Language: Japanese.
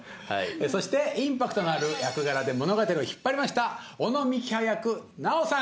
そしてインパクトのある役柄で物語を引っ張りました尾野幹葉役奈緒さん。